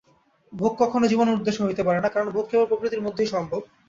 ভোগ কখনও জীবনের উদ্দেশ্য হইতে পারে না, কারণ ভোগ কেবল প্রকৃতির মধ্যেই সম্ভব।